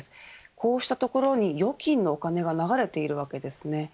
こうしたところに預金のお金が流れているわけです。